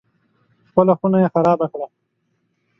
خپله خونه یې خرابه کړه.